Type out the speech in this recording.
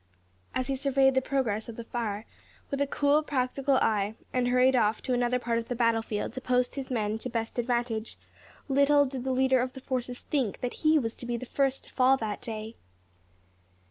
As he surveyed the progress of the fire, with a cool, practical eye, and hurried off to another part of the battle field to post his men to best advantage, little did the leader of the forces think that he was to be the first to fall that day!